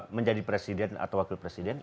menjadi presiden atau wakil presiden